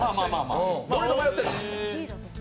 どれと迷ってた？